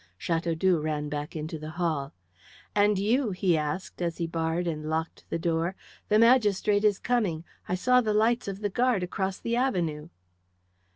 Chateaudoux ran back into the hall. "And you!" he asked, as he barred and locked the door. "The magistrate is coming. I saw the lights of the guard across the avenue."